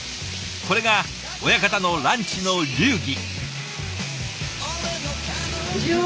これが親方のランチの流儀。